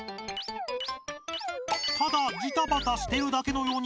ただジタバタしてるだけのように見えます。